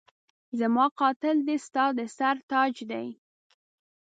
زما قاتل دی ستا د سر تاج دی